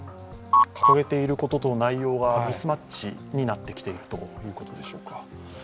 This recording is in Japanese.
掲げていることと内容がミスマッチになってきているということでしょうか。